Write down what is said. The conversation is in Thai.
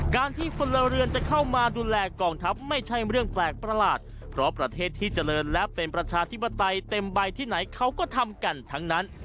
การที่พลเรือนจะเข้ามาดูแลกองทัพไม่ใช่เรื่องแปลกประหลาดเพราะประเทศที่เจริญและเป็นประชาธิปไตยเต็มใบที่ไหนเขาก็ทำกันทั้งนั้น